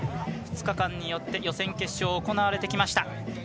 ２日間にわたって予選、決勝が行われました。